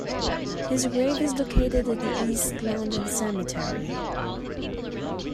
His grave is located in the East London Cemetery.